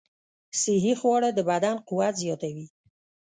صحي خواړه د بدن قوت زیاتوي.